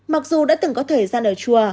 mặc dù đã từng có thời gian ở chùa